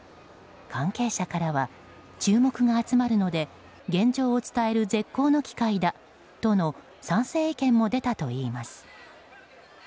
関係者からは注目が集まるので現状を伝える絶好の機会だとの賛成意見も出たといいます。